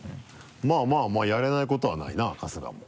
まぁまぁやれないことはないな春日も。